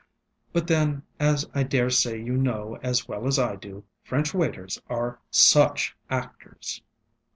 But then, as I dare say you know as well as I do, French waiters are such actors!